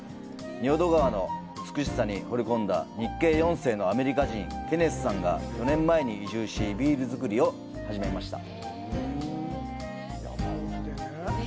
仁淀川の美しさにほれ込んだ日系４世のアメリカ人、ケネスさんが４年前に移住し、ビール造りを始めました。